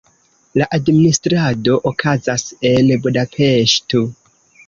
La administrado okazas en Budapeŝto.